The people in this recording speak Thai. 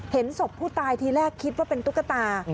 เห็นศพผู้ตายทีแรกคิดว่าเป็นตุ๊กตา